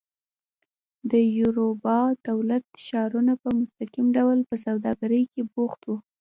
د یوروبا دولت ښارونه په مستقیم ډول په سوداګرۍ کې بوخت وو.